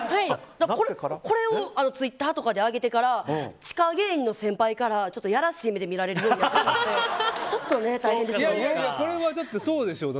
これをツイッターとかで上げてから地下芸人の先輩からちょっとやらしい目で見られるようになってちょっと大変ですよね。